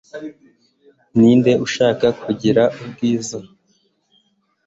ninde ushaka kugira ubwiza